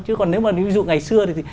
chứ còn nếu mà ví dụ ngày xưa